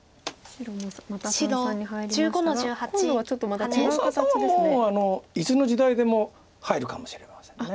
この三々はもういつの時代でも入るかもしれません。